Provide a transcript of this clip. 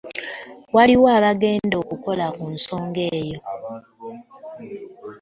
Waliwo abagenda okukola ku nsonga eyo.